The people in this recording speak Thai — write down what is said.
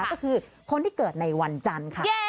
ก็คือคนที่เกิดในวันจันทร์ค่ะ